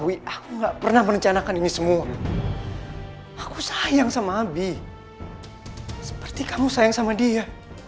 wi aku nggak pernah merencanakan ini semua aku sayang sama abi seperti kamu sayang sama dia